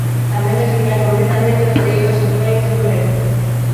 Tamén desligar completamente os dereitos sociais do emprego.